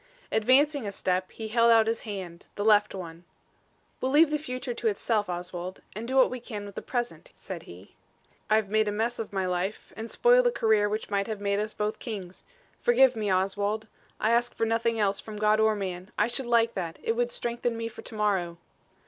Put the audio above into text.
Advancing a step, he held out his hand the left one. "We'll leave the future to itself, Oswald, and do what we can with the present," said he. "I've made a mess of my life and spoiled a career which might have made us both kings. Forgive me, Oswald. I ask for nothing else from God or man. I should like that. It would strengthen me for to morrow."